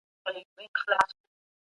ټولنپوهنه له ابن خلدون څخه ډېره اغېزمنه ده.